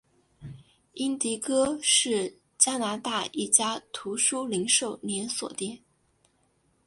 英迪戈是加拿大一家图书零售连锁店。